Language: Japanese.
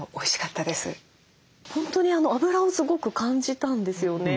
本当に脂をすごく感じたんですよね。